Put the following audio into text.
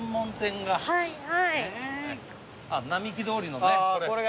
並木通りのねこれ。